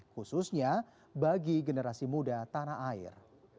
khususnya bagi generasi muda tanah air